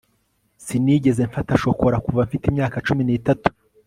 sinigeze mfata shokora kuva mfite imyaka cumi n'itatu